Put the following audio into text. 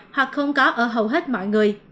hoặc không có ở hầu hết mọi người